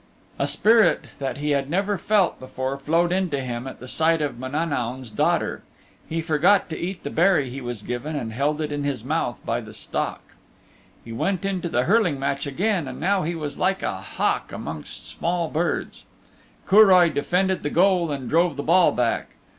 A spirit that he had never felt before flowed into him at the sight of Mananaun's daughter. He forgot to eat the berry he was given and held it in his mouth by the stalk. He went into the hurling match again and now he was like a hawk amongst small birds. Curoi defended the goal and drove the ball back.